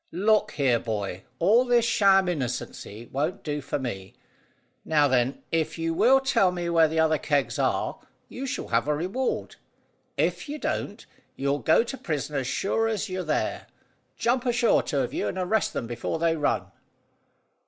"Look here, boy. All this sham innocency won't do for me. Now, then, if you will tell me where the other kegs are, you shall have a reward; if you don't, you'll go to prison as sure as you're there. Jump ashore, two of you, and arrest them before they run."